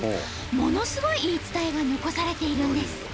ものすごい言い伝えが残されているんです。